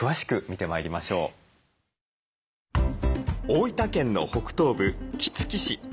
大分県の北東部杵築市。